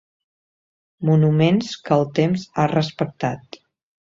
Monuments que el temps ha respectat.